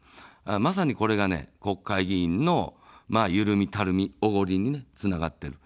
まさにこれが国会議員のゆるみ、たるみ、おごりにつながっている。